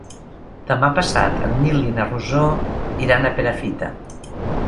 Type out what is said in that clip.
Demà passat en Nil i na Rosó iran a Perafita.